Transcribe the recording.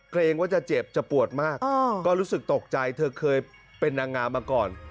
เกรงว่าจะเจ็บจะปวดมากก็รู้สึกตกใจเธอเคยเป็นนางงามมาก่อน